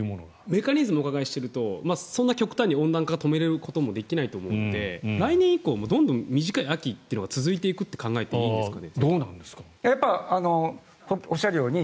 メカニズムをお伺いしているとそんなに極端に温暖化を止めることもできないと思って来年以降もどんどん短い秋が続いていくと考えていいんですか？